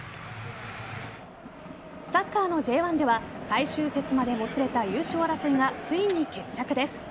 サッカーのＪ１では最終節までもつれた優勝争いがついに決着です。